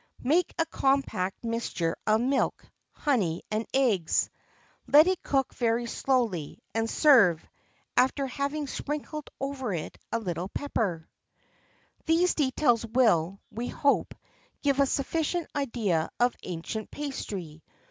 [XXIV 29] "Make a compact mixture of milk, honey, and eggs; let it cook very slowly, and serve, after having sprinkled over it a little pepper."[XXIV 30] These details will, we hope, give a sufficient idea of ancient pastry.